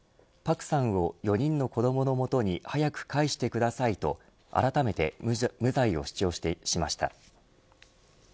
朴さんを４人の子どもの元に早く返してくださいとあらためて無罪を主張しました。